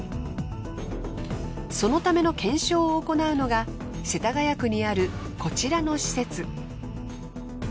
そのための検証を行うのが世田谷区にあるこちらの施設。